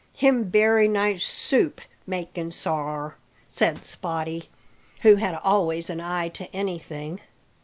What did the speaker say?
Him bery nice soup making, sar," said Spottie, who had always an eye to anything.